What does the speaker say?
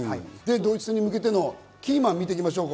ドイツ戦に向けてのキーマンを見ていきましょう。